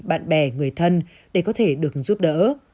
bạn bè người thân để có thể được giúp đỡ